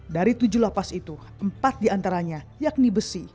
dari tujuh lapas itu empat di antaranya yakni besi